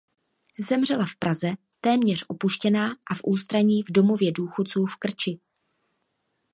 Zemřela v Praze téměř opuštěná a v ústraní v domově důchodců v Krči.